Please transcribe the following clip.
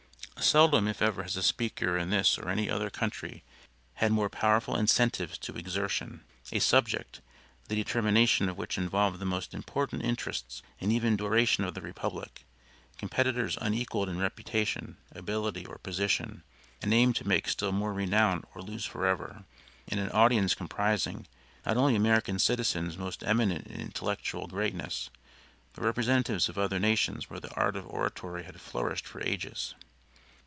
Seldom, if ever, has a speaker in this or any other country had more powerful incentives to exertion; a subject, the determination of which involved the most important interests and even duration of the Republic competitors unequaled in reputation, ability, or position; a name to make still more renowned or lose forever; and an audience comprising, not only American citizens most eminent in intellectual greatness, but representatives of other nations where the art of oratory had flourished for ages.